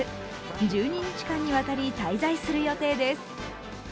１２日間にわたり滞在する予定です。